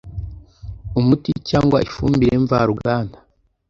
Umuti cyangwa ifumbire mvaruganda